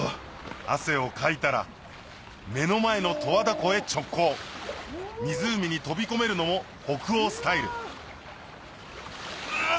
汗をかいたら目の前の十和田湖へ直行湖に飛び込めるのも北欧スタイル